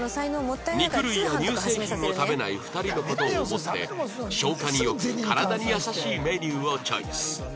肉類や乳製品を食べない２人の事を思って消化に良く体に優しいメニューをチョイス